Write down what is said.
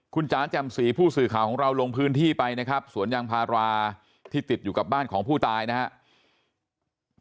คุณจ๋าแจ่มสีผู้สื่อข่าวของเราลงพื้นที่ไปนะครับสวนยางพาราที่ติดอยู่กับบ้านของผู้ตายนะครับ